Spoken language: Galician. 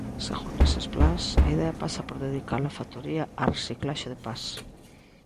Segundo eses plans, a idea pasa por dedicar a factoría á reciclaxe de pas.